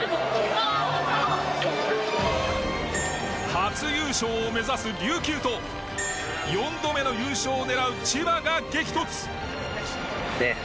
初優勝を目指す琉球と４度目の優勝を狙う千葉が激突！